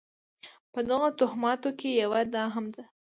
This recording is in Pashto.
په دغو توهماتو کې یوه دا هم ده.